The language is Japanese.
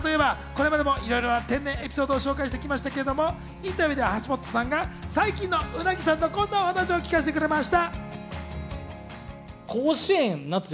さぁ、そして銀シャリの鰻さんといえば、これまでもいろいろ天然エピソードを紹介してくれましたけどインタビューでは橋本さんが最近の鰻さんのこんなお話を聞かせてくれました。